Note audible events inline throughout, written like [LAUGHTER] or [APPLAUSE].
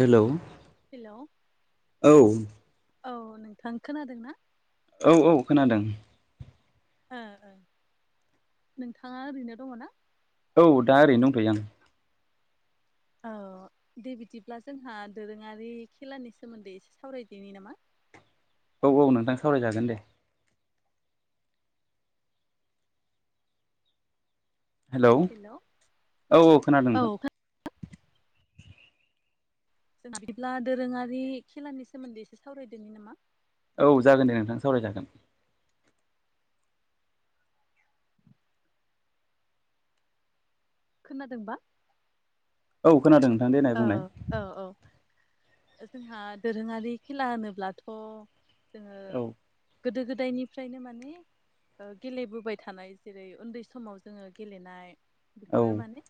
Hello. Hello औ औ नोंथां खोनादों ना? औ औ खोनादों। ओ ओ नोंथाङा ओरैनो दङ ना? औ दा ओरैनो दंथयो आं। औ दे बिदिब्ला जोंहा दोरोङारि खेलानि सोमोन्दै एसे सावरायदिनि नामा? औ औ नोंथां सावरायजागोन दे। हेलौ औ औ खोनादों नोंथां। जोंना बिदिब्ला दोरोङारि खेलानि सोमोन्दै एसे सावरायदोंनि नामा? औ जागोन दे नोंथां सावरायजागोन। खोनादोंबा? औ खोनादों नोंथां देनाय औ बुंनाय। औ औ जोंहा दोरोङारि खेला होनोब्लाथ' जों औ गोदो गोदायनिफ्रायनो माने ओ गेलेबोबाय थानाय जेरै उन्दै समाव जोङो गेलेनाय औ बेफोरो माने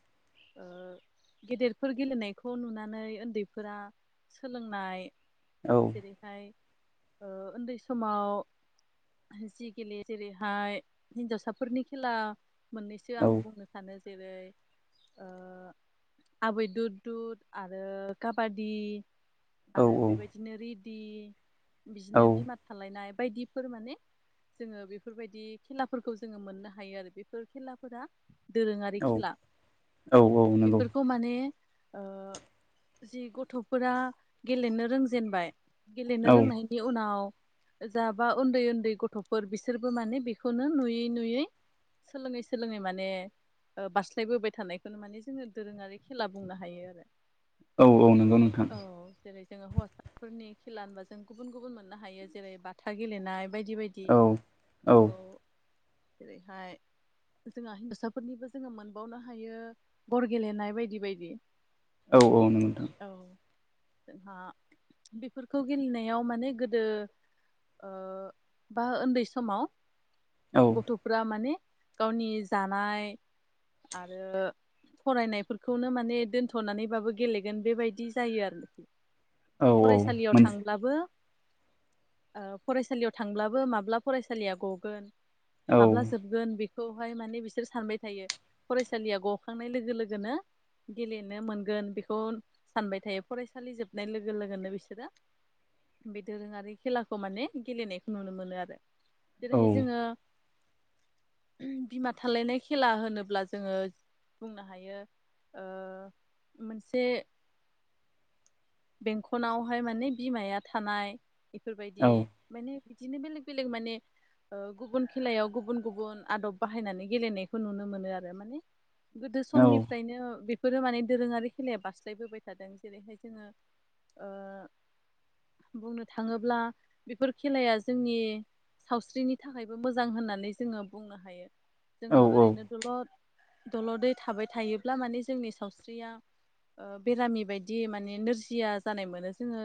गेदेरफोर गेलेनाय खौ नुनानै उन्दैफोरा सोलोंनाय औ जेरै हाय- ओ उन्दै समाव जि गेलेयो जेरैहाय हिन्जावसाफोरनि खेला मोननैसो आं औ बुंनो सानो। जेरै ओ आबै दु दुद आरो काबादि औ आरो बेबायदिनो रि दि बिदिनो औ औ बिमा थालायनाय बायदिफोर माने जोङो बेफोरबायदि खेलाफोरखौ जोङो मोननो हायो आरो बेफोर खेलाफोरा दोरोङारि औ खेला औ नंगौ बेफोरखौ माने- ओ जि गथ'फोरा गेलेनो रोंजेनबाय। गेलेनो औ रोंनायनि उनाव जाबा उन्दै उन्दै गथ'फोर बिसोरबो माने बेखौनो नुयै नुयै सोलोङै सोलोङै माने ओ बारास्लायबोबाय थानायखौनो माने जोङो दोरोङारि खेला बुंनो हायो ‌ [INAUDIBLE] औ औ नंगौ नोंथां। जेरै जोङो हौवासाफोरनि खेला होनबा जों गुबुन गुबुन मोननो हायो जेरै बाथा गेलेनाय। बायदि बायदि औ औ। जेरैहाय जोंहा हिन्जावसाफोरनिबो जोङो मोनबावनो हायो गर गेलेनाय बायदि बायदि। औ औ नोंगो नोंथा। औ जोंहा बेफोरखौ गेलेनायाव माने गोदो ओ बा उन्दै समाव औ गथ'फ्रा माने गावनि जानाय आरो फरायनायफोरखौनो माने दोनथ' थ'नानैबाबो गेलेगोन बेबायदि जायो आरो। औ औ फरायसालियाव मोनसे थांब्लाबो ओ फरायसालियाव थांब्लाबो माब्ला फरायसालिया गगोन औ माब्ला जोबगोन बेख खौहाय माने बिसोर सानबाय थायो फरायसालिया गखांनाय लोगो लोगोनो गेलेन मोनगोन बेखौ सानबाय थायो फरायसालि जोबनाय लोगो लोगोनो बिसोरो बे दोरोङारि खेलाखौ माने गेलेनायखौ नुनो मोनो आरो। औ जेरैहाय जोङो बिमा थालायनाय खेला होनोब्ला जोङो बुंनो हायो ओ मोनसे बेंखनावहाय माने बिमाया थानाय। बेफोरबायदि औ माने बिदिनो बेलेग बेलेग माने ओ गुबुन खेलायाव गुबुन गुबुन आदब बाहायनानै गेलेनायखौ नुनो मोनो आरो। माने गोदो समनिफ्रायनो बे फोरो माने दोरोङारि खेलाया बास्लायबोबाय थादों जेरैहाय जोङो ओ बुंनो थाङोब्ला बेफोर खेलाया जोंनि सावस्रिनि थाखायबो मोजां होननानै जोङो बुंनो हायो। जोंङो औ औ ओरैनो दलर दलदै थाबाय थायोब्ला माने जोंनि सावस्रिया बेरामि बायदि माने नोरजि जिया जानाय मोनो जोङो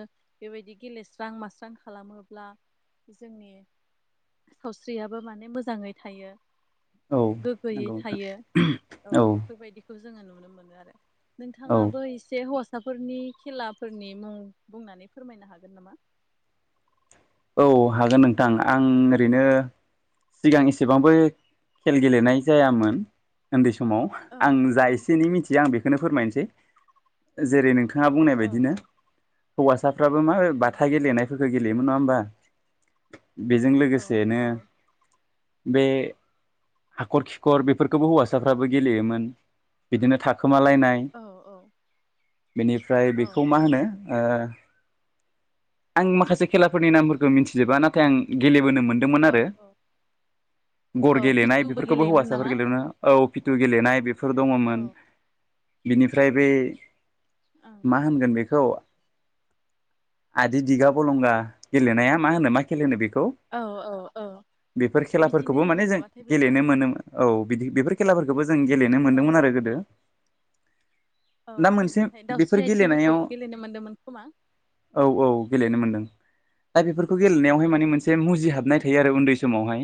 बेबायदि गेलेस्रां मास्रां खालामोब्ला जोंनि सावस्रियाबो माने मोजाङै थायो। औ गोग्गोयै नगौ नोंथां औ। जोंङो नुनो मोनो आरो। नोंथाङाबो एसे हस फिसाफोरनि खेलाब फोरनि मुं बुंनानै फोरमायनो हागोन नामा? औ हागोन नोंथां। आं ओरैनो सिगां एसेबांबो खेल गेलेनाय जायामोन उन्दै सम समाव औ आं जा औ एसे एनै मिथियो आं बेखौ खौनो फोरमायनोसै जेरै नोंथ नोंथाङा बुंनाय औ बायदिनो औ हौवासा फाबो मा उम बाथा गेलेनायफोरखौ गेलेयोमोन नङा होनबा बेजों औ लोगोसेनो औ बे हाखर खिखर बेफोरखौबो हौवासाफ्राबो गेलेयोमोन बिदिनो थाखो खोमालायनाय औ बेनिफ्राय औ बेखौ मा होनो ओ आं माखासे खेलाफोरनि नाम मिथिजोबा नाथाय आं गेलेबोनो मोनो मोनदोंमोन औ आरो औ गर औ गेलेनाय बिटुबो बेफोरखौबो गेलेयोमोन हौवासाफोर नामा? गेलेनो औ फिथु गेलनाय बे फोर औ दंङमोन बिनिफ्राय बे औ मा होनगोन बेखौ औ आदि दिगा बलंगा गेलेनाया मा होनो मा खेल होनो बेखौ औ औ औ खौ बेफोर बिदिनो खेलाफोरखौबो माने होनोमोन जों नामाथाय बेखौ गेलेनो मोनोमोन औ बिदि बेफोर खेलाफोरखौबो जों गेलेनो औ मोन्दोंमोन आरो गोदो औ दा मोनसे जेरैहाय बेफोर दाउस्रि गेलेनायाव आथिंफोरखौबो गेलेनो मोन्दोंमोन खोमा औ औ गेलेनो मोनदों दा बेफोर खौ गेलेनायावहाय औ माने मोनसे मुजिहाबनाय थायो आरो उन्दै समावहाय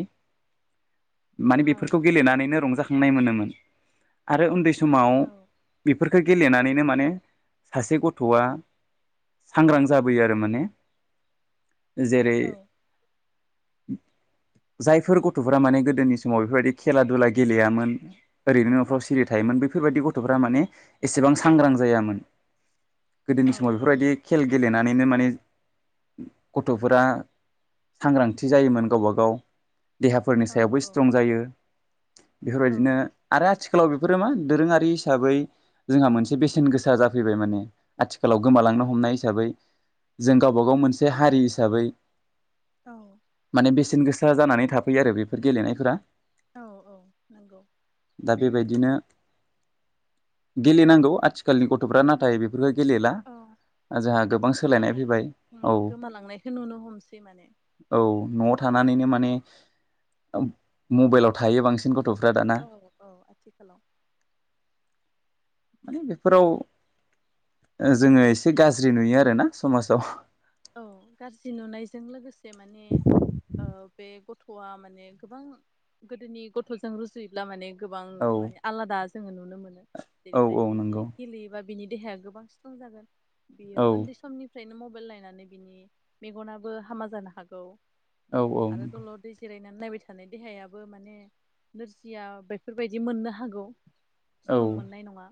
मानि बेफोरखौ औ गेलेनानैनो रंजाखाङो नाय मोनोमोन आरो उन्दै समाव औ बि बेफोरखौ गेलेनानैनो माने सासे गथ'आ सांग्रां जाबोयो आरो माने जेरै औ जायफोर गथ'फोरा माने गोदोनि समाव बेफोरबायदि खेला दुला गेलेयामोन ओरैनो सिरि थायोन बेफोरबायदि गथ' फ्रा माने एसेबां सांग्रां जायामोन औ गोदोनि समाव बेफोरबायदि खेल गेलेनाय नैनो माने गथ'फोरा सांग्रांथि जायोमोन गावबा गाव देहाफोरनि औ सायावबो स्ट्रं जायो बेफोरबायदिनो आरो आथि बेफोरो मा दोरोंङारि हिसाबै जोंहा मोनसे बेसेन गोसा जाफैबाय माने आथिखालाव गोमालांनो औ हमनाय हिसाबै जों गावबा गाव मोनसे हारि हिसाबै औ माने बेसेन गोसा जानानै थाफैयो आरो बेफोर गेलेनायफोरा औ-औ नंगौ दा बेबायदिनो गेलेनांगौ आथिखालनि गथफ्रा नाथाय बेफोरखौ गेलेला जोंहा गोबां सोलायनाय फैबाय औ खौ नुनो हमसै माने औ नआव थानानैनो माने मबाइलाव थायो बांसिन गथ औ- औ आथिखालाव माने बेफोराव जोंङो एसे गाज्रि नुयो आरोना समाजाव औ गाज्रि नुनायजों लोगोसे से माने ओ बे गथआ माने गोबां गोदोनि गथजों रुजुयोब्ला माने गोबां औ माने आलादा जोंङो नुनो मोनो औ जेरैहाय औ बिदि नंगौ गेलेयोबा बिनि देहाया गोबां स्ट्रं जागोन बियो औ उन्दै समनि फ्रायनो मबाइल नायनानै बिनि मेगनाबो हामा जानो हागौ औ औ आरो दलदै जिरायना नायबाय थानाय देहायाबो माने नोरजिया बेफोरबायदि मोननो हागौ। औ स्ट्रं मोननाय नंङा।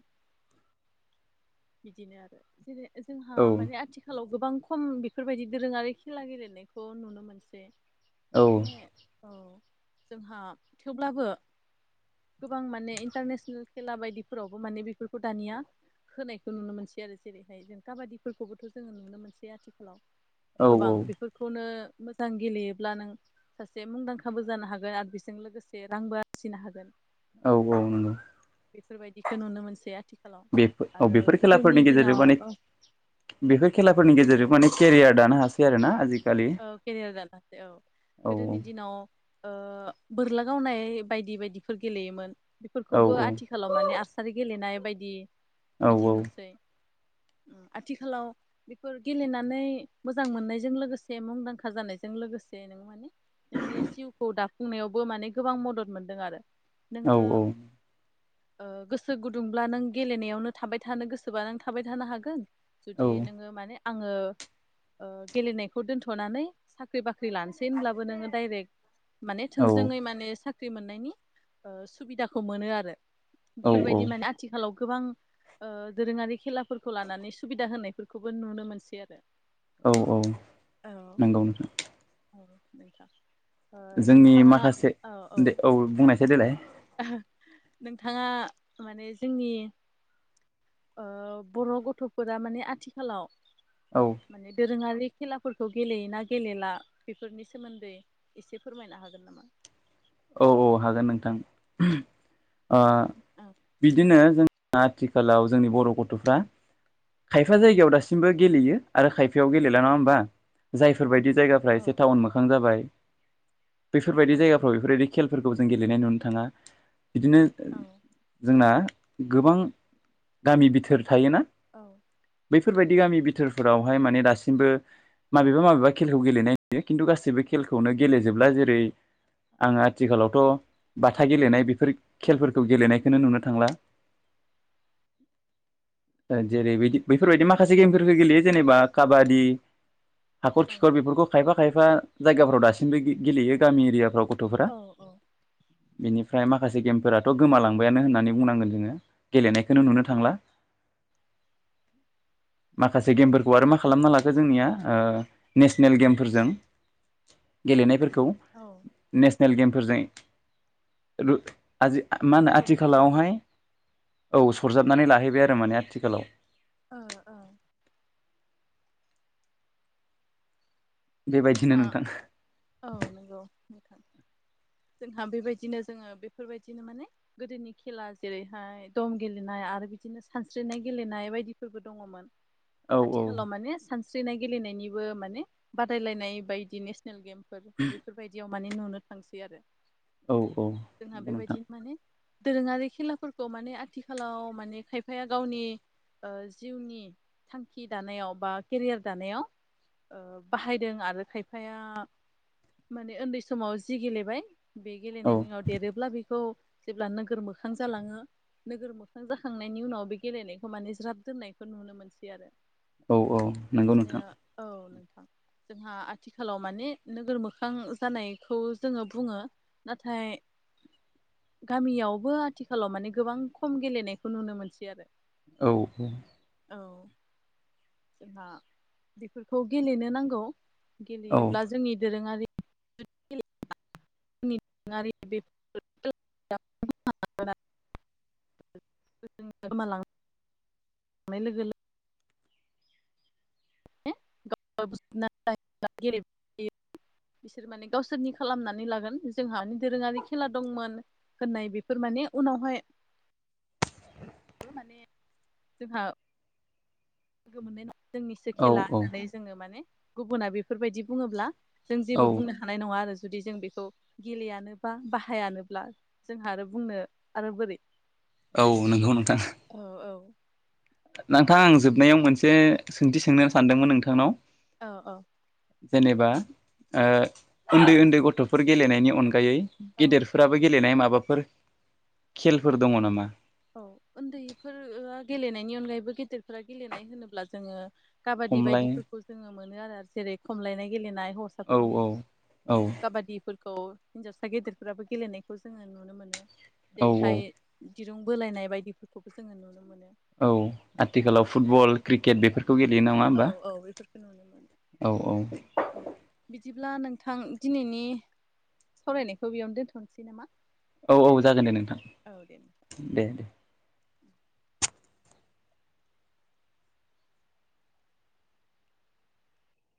बिदिनो आरो जेरै जोंहा माने आथिखालाव गोबां खम बेफोरबायदि दोरोंङारि खेला गेलेनायखौ नुनो मोनसै। माने औ जोंहा थेवब्लाबो गोबां माने इन्टारनेसनेल खेला बायदिफोरावबो माने बेफोरखौ दानिया होनाय नुनो मोनसै आरो जेरैहाय जों काबादिफोरखौबोथ जोङो नुनो मोनसै आथिखालाव औ गोबां बेफोरखौनो मोजां गेलेयोब्ला नों सासे मुंदांखाबो जानो हागोन आरो बेजों लोगोसे रांबो आरजिनो हागोन औ औ नोंगौ बेफोरबायदिखौ नुनो मोनसै आथि बेफो औ बेफोर खेला फोरनि गेजेराव माने औ बेफोर खेलाफोरनि औ गेजेराव माने केरियार दानो हा सै आरो ना आजि औ केरियार हासै औ औ गोदोनि दिनाव ओ बोरला गावनाय बायदि बायदिफोर गेलेयोमोन। औ बेफोरखौबो आथिखालाव माने आरसारि गेलेनाय बायदि औ बिदि नुसै आथिखालाव बेफोर गेलेनानै मोजां मोननायजों लोगोस से मुंदांखा जानायजों लोगोसे नों माने नोंनि जिउखौ दा फुंनायावबो माने गोबां मदद मोनदों आरो। औ नोङो औ ओ गोसो गुदुंब्ला नों गेलेनायावनो थाबाय थानो गोसोबा नों थाबाय थानो हागोन जुदि नोङो माने आङो ओ गेलेनाय खौ दोन्थनानै साख्रि बा ख्रि लानोसै होनब्लाबो नोङो डाइरेक्ट माने औ थोंजोङै माने सा ख्रि मोननायनि ओ सुबिदाखौ मोनो आरो औ औ बेफोरबायदि माने आथिखालाव गोबां ओ दोरोङारि खेलाफोरखौ लानानै सुबिदा होनायफोरखौबो नुनो मोनसै आरो औ औ नंगौ नोंथां औ नोंथां ओ जोंनि नोंथाङा माखासे दे औ बुंनायसाय देलाय नोंथाङा माने जोंनि ओ बर' गथफोरा माने आथिखालाव औ माने दोरोङारि खेला फोरखौ गेलेयो ना गेलेला बेफोरनि सोमोन्दै एसे फोरमायनो हागोन नामा औ औ हागोन नोंथां ओ औ बिदिनो जों आथिखालाव जोंनि बर' गथ'फ्रा खायफा जायगायाव दासि बो गेलेयो आरो खाय फायाव गेलेला नङा होमबा जाय फोरबायदि जायगाफ्रा औ एसे औ टाउन मोखां जाबाय बेफोरबायदि औ जायगाफ्राव बे खेलफोरखौ जों गेलेनाय नुनो थाङा। बिदिनो औ जोंना गोबां गामि बिथोर थायोना? औ बैफोरबायदि गामि बिथोरफोरावहाय माने दासिमबो माबेबा माबेबा खेलखौ गेलेनाय नुयो खिन्थु गासैबो खेलखौनो गेलेजोबला जेरै आङो आथिखालावथ बाथा गेलेनाय बे फोर खेलफोरखौ गेलेनाय खौनो नुनो थांला। जेरै बिदि बेैफोरबायदि मा माखासे गेमफोरखौ गेलेयो जेनेबा काबादि हाखर औ खिखर बेफोरखौ खायफा खायफा जायगाफ्राव दासिमबो गे-गेलेयो गामि एरियाफ्राव। गथफोरा औ बेनि माखासे गेमफोराथ गोमालांबायानो होननांगोन जोङो गेलेनाय खोनो नुनो थांला माखासे गेमफोरखौ मा खालामना लाखो जोंनिया ओ नेसनेल गेमफोरजों गेमफोर औ गेमफोरजों मा होनो सरजोबना लाबाय आथिखालावहाय औ सरजाबनानै लाहैबाय आरो माने आथिखालाव ओ ओ बेबायदिनो जोंहा नोंथां। औ नंगौ जोंहा बेबायदिनो जोङो बेफोरबायदिनो माने गोदोनि खेला जेरैहाय दम गेलेनाय आरो बिदिनो सानस्रिनाय गेलेनाय बायदिफोरबो दङमोन। औ औ आथिखालाव माने सानसे गेलेनायनिबो माने बादायलायनाय बायदि नेसनेल गेम बेफोरबायदियाव माने नुनो थांसै आरो। औ औ नंगौ जोंहा नोंथां बेबायदिनो माने दोरोङारि खेलाफोरखौ माने आथिखालाव माने खायफाया गावनि जिउनि थांखि दानायाव बा केरियार दानायाव बाहायदों आरो खायफाया माने उन्दै समाव जि गेलेबाय बे औ गेलेनायनि उनाव देरोब्ला बेखौ जेब्ला नोगोर मोखां जालाङो नोगोर मोखां जाखांनायनि उनाव बे गेलेनायखौ माने ज्राब दोननायखौ नुनो मोनसै आरो। औ औ नंगौ बिदिनो नोंथां। औ नोंथां जोंहा आथिखालाव माने नोगोर मोखां जानायखौ जोङो बुङो नाथाय गामियावबो आथिखालाव माने गोबां खम गेलेनायखौ नुनो मोनसै आरो। औ औ जोंहा बेफोरखौ गेलेनो नां औ औ गेलेयोब्ला जोंनि दोरोङारि [UNINTELLIGIBLE] नियारि [INAUDIBLE] मालां लोगो लोगो [INAUDIBLE] गो मोनाय न जोंनिसो औ खेला होननानै जोङो माने गुबुना बेफोरबायदि बुङोब्ला जों औ जेबो बुंनो हानाय नङा आरो जुदि जों बेखौ गेलेयानो बा बाहायानोब्ला जोंहा आरो बुंनो आरो बोरै औ नोंगौ नोंथां औ नोंथां आं जोबनायाव मोनसे सोंथि सोंनो सानदोंमोन नोंथांनाव औ औ जेनेबा उन्दै उन्दै गथ'फोर गेलेनायनि अनगायै औ गेदेरफोराबो गेलेनाय माबा माबाफोर खेलफोर दङ नामा औ उन्दैफोर गेलेनायनि अनगायैबो गेदेरफोरा गेलेनाय होनोब्ला जोङो खाबादि खमलाय बायदिफोरखौ जोङो मोनो आरो जेरै खमलायनाय गेलेनाय औ हौवसाफोरनि औ औ काबादि खौ हिन्जावसा गेदेरफोराबो गेलेनायखौ जोङो नुनो मोनो औ औ जेरैहाय जों बोलायनाय बायदिफोरखौबो जोङो नुनो मोनो औ औ आथिखालाव फुटबल क्रिकेट बेफोरखौ गेल औ औ बेफोरखौ नुनो मोनो औ औ औ बिदिब्ला नोंथां दिनैनि सावरायनायखौ बेयावनो दोनथ'नोसै नामा औ औ जागोन दे नोंथां औ दे नोंथां। दे दे